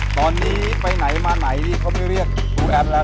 ตอนนี้ไปไหนมาไหนนี่เขาไม่เรียกครูแอมแล้ว